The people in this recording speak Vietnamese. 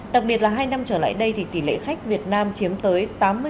đặc biệt là hai năm trở lại đây thì tỷ lệ khách việt nam chiếm tới tám mươi